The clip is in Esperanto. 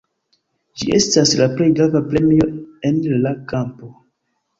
Ĝi estas la plej grava premio en la kampo.